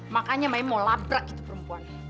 makanya mami mau labrak gitu perempuan